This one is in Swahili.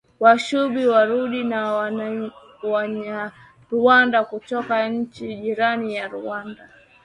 Washubi warundi na wanyarwanda kutoka nchi jirani ya Rwanda